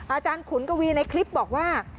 อาจารย์ขุนกวีนในคลิปบอกว่า